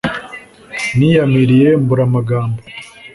niyamiriye mbura amagambo